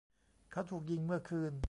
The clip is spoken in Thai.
เขาถูกยิงเมื่อคืน